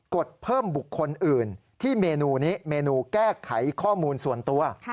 ดเพิ่มบุคคลอื่นที่เมนูนี้เมนูแก้ไขข้อมูลส่วนตัว